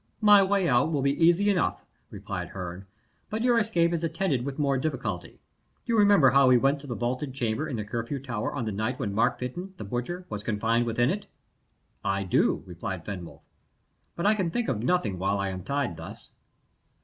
"My way out will be easy enough," replied Herne; "but your escape is attended with more difficulty. You remember how we went to the vaulted chamber in the Curfew Tower on the night when Mark Fytton, the butcher, was confined within it?" "I do," replied Fenwolf; "but I can think of nothing while I am tied thus."